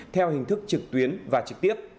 theo hình thức trực tuyến và trực tiếp